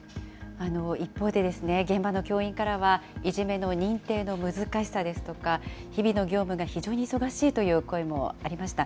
一方で、現場の教員からは、いじめの認定の難しさですとか、日々の業務が非常に忙しいという声もありました。